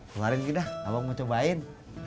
keluarin gitu dah abang mau cobain